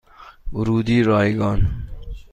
ورودی رایگان